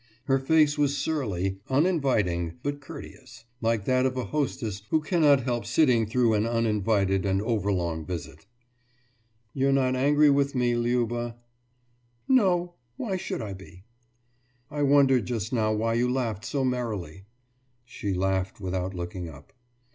Her face was surly, uninviting, but courteous like that of a hostess who cannot help sitting through an uninvited and overlong visit. »You are not angry with me, Liuba?« »No. Why should I be?« »I wondered just now when you laughed so merrily.« She laughed without looking up.